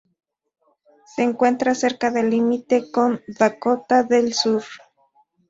Se encuentra cerca del límite con Dakota del Sur.